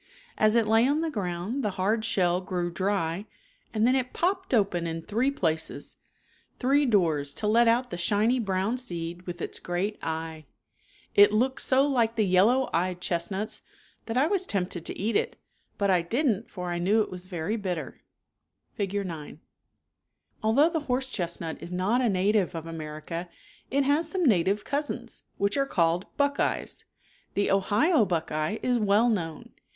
As it lay on the ground the hard shell grew dry and then it popped open in three places, three doors to let out the shiny brown seed with its great eye. It looked so like the yellow eyed ^x^^v. chestnuts, that I ?"^&\^^. was tempted to \:%^^^^^^ eat it, but I did '^^^ n't for I knew it was very bitter (Fig. 9). Although the horse chestnut is not a native of America it some native cousins, which called buckeyes. The Ohio buck eye is well known.